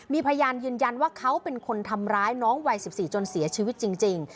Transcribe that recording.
มีพยานยืนยันว่าเขาเป็นคนทำร้ายน้องวัย๑๔จนเสียชีวิตจริง